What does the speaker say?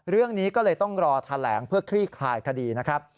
เรื่องนี้ก็เลยต้องรอแถลงเพื่อคลี่คลายคดีนะครับ